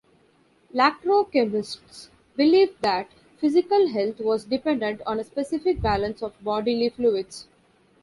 Iatrochemists believed that physical health was dependent on a specific balance of bodily fluids.